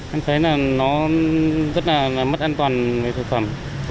em thấy là nó rất là mất an toàn về thực phẩm